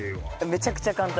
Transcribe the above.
めちゃくちゃ簡単？